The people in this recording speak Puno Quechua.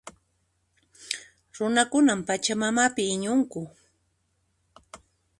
Runakunan Pachamamapi iñinku.